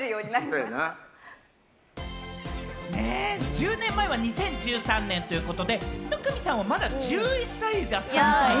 １０年前は２０１３年ということで、生見さんもまだ１１歳だった？